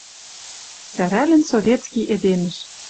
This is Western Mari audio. Сӓрӓлӹн советский эдемӹш.